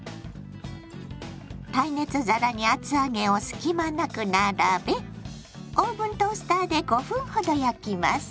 耐熱皿に厚揚げを隙間なく並べオーブントースターで５分ほど焼きます。